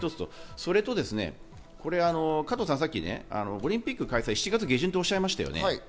それと加藤さん、さっきオリンピック開催は７月下旬とおっしゃいましたね。